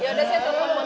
ya udah saya tolong